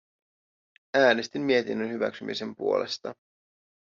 Äänestin mietinnön hyväksymisen puolesta.